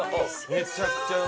めちゃくちゃうまそう。